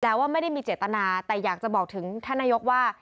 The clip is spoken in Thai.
แล้วว่าไม่ได้มีเจตนาแต่อยากจะบอกถึงท่านนายกว่า